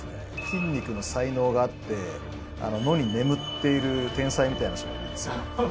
筋肉の才能があって野に眠っている天才みたいな人がいるんですよ。